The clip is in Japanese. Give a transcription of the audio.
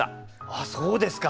あっそうですか。